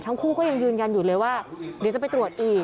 ทั้งคู่ก็ยังยืนยันอยู่เลยว่าเดี๋ยวจะไปตรวจอีก